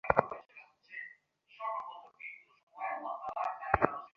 ডায়েটে আছে ও।